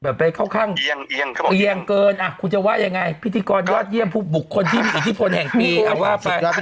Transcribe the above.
แบบไปคร่างเหี้ยงเกินอ่ะคุณจะว่าเป็นยังไงพิธีกรยอดเยี่ยมผู้บุกคนที่มีอิทธิปน์แห่งตี